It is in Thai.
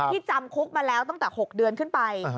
จำคุกมาแล้วตั้งแต่๖เดือนขึ้นไป